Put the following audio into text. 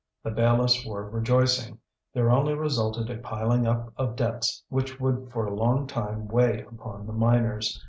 The bailiffs were rejoicing; there only resulted a piling up of debts which would for a long time weigh upon the miners.